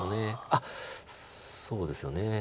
あっそうですよね。